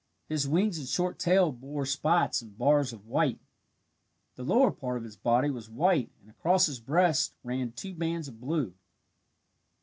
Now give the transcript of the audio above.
His wings and short tail bore spots and bars of white. The lower part of his body was white and across his breast ran two bands of blue.